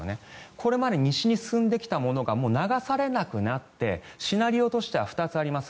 これまで西に進んできたものが流されなくなってシナリオとしては２つあります。